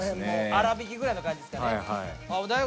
粗びきぐらいの感じですかね。